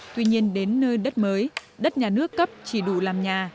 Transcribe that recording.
tuy nhiên đến nơi đất mới đất nhà nước cấp chỉ đủ làm nhà